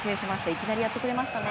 いきなりやってくれましたね。